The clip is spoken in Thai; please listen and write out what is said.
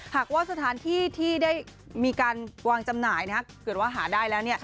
หากว่าสถานที่ที่ได้มีการวางจำหน่ายเกิดว่าหาได้แล้ว